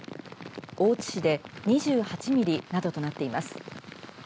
大津市で２８ミリなどとなっています。